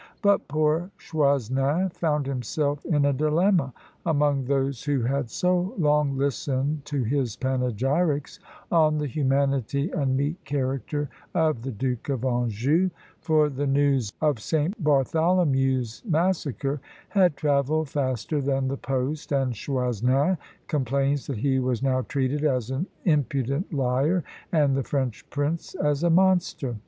But poor Choisnin found himself in a dilemma among those who had so long listened to his panegyrics on the humanity and meek character of the Duke of Anjou; for the news of St. Bartholomew's massacre had travelled faster than the post; and Choisnin complains that he was now treated as an impudent liar, and the French prince as a monster.